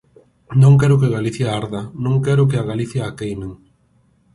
Non quero que Galicia arda, non quero que a Galicia a queimen.